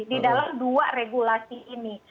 di dalam dua regulasi ini